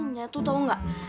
nya tuh tau gak